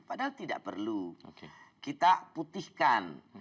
padahal tidak perlu kita putihkan